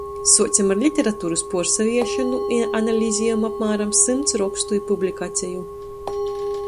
Suocem ar literaturys puorsavieršonu i analiziejom apmāram symts rokstu i publikaceju.